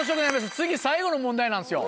次最後の問題なんですよ。